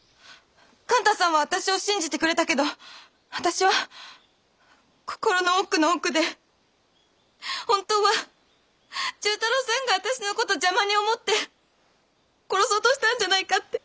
勘太さんは私を信じてくれたけど私は心の奥の奥で本当は忠太郎さんが私の事邪魔に思って殺そうとしたんじゃないかって疑った！